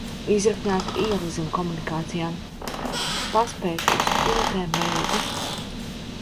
Izrakņāta iela zem komunikācijām. Paspēšu uz pilatēm vai jogu.